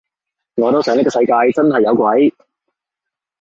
我都想呢個世界真係有鬼